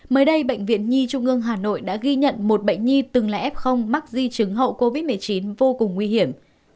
mới đây bệnh viện nhi trung ương hà nội đã ghi nhận một bệnh nhi từng là f mắc di chứng hậu covid một mươi chín vô cùng nguy hiểm